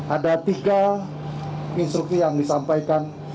ada tiga instruksi yang disampaikan